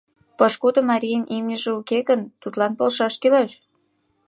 Пошкудо марийын имньыже уке гын, тудлан полшаш кӱлеш.